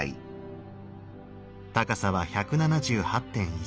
高さは１７８．１ｃｍ。